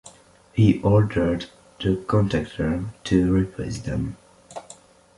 He ordered the contractor to replace them.